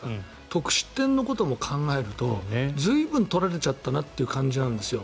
得失点のことも考えると随分取られちゃったなという感じなんですよ。